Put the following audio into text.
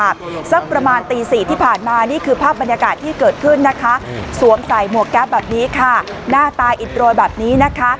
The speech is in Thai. หน้าตายอิดรวยแบบนี้นะคะ